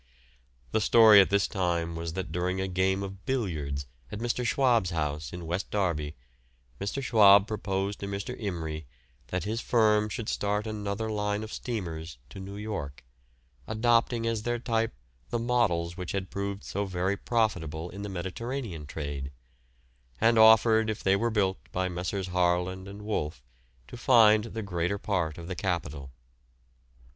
The story at the time was that during a game of billiards at Mr. Schwabe's house, in West Derby, Mr. Schwabe proposed to Mr. Imrie that his firm should start another line of steamers to New York, adopting as their type the models which had proved so very profitable in the Mediterranean trade, and offered if they were built by Messrs. Harland and Wolff to find the greater part of the capital.